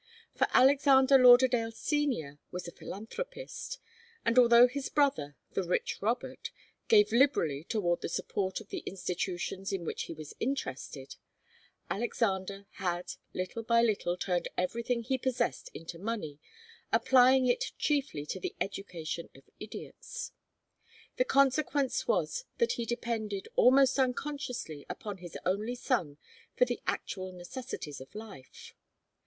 For Alexander Lauderdale Senior was a philanthropist; and although his brother, the rich Robert, gave liberally toward the support of the institutions in which he was interested, Alexander had little by little turned everything he possessed into money, applying it chiefly to the education of idiots. The consequence was that he depended, almost unconsciously, upon his only son for the actual necessities of life.